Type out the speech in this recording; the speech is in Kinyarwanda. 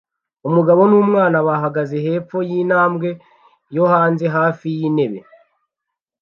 Umugabo n'umwana bahagaze hepfo yintambwe yo hanze hafi y'intebe